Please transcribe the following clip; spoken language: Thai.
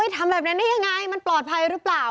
ทำแบบนั้นได้ยังไงมันปลอดภัยหรือเปล่า